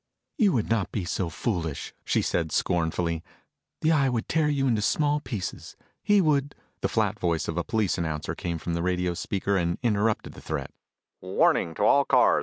"You would not be so foolish," she said scornfully. "The Eye would tear you into small pieces. He would " The flat voice of a police announcer came from the radio speaker and interrupted the threat: "Warning to all cars.